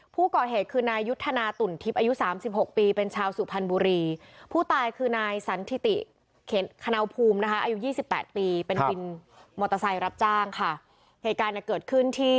ผู้ก่อเหตุคือนายยุทธนาตุ่นทิพย์อายุ๓๖ปีเป็นชาวสุพรรณบุรี